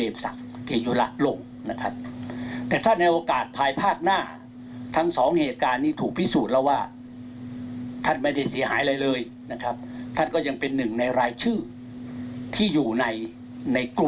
นะครับท่านก็จะเป็นหนึ่งในรายชื่อที่อยู่ในในกลุ่ม